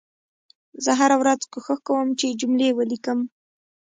زه هره ورځ کوښښ کوم چې جملې ولیکم